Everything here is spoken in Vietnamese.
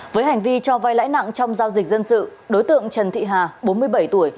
với hành vi cho vai lãi nặng trong giao dịch dân sự đối tượng trần thị hà bốn mươi bảy tuổi